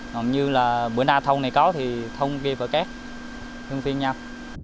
học như là bữa nay thông này có thì thông kia phải kết lưng phiên nhau